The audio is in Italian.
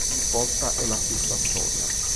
Ogni volta è la stessa storia.